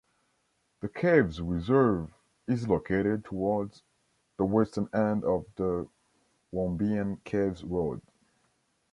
The caves reserve is located towards the western end of the Wombeyan Caves Road.